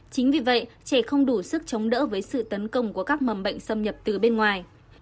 chính vì vậy trẻ không đủ sức chống đỡ với sự tấn công của các mầm bệnh xâm nhập từ bên ngoài